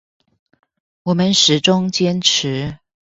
我們始終堅持